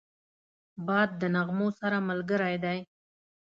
باد د نغمو سره ملګری دی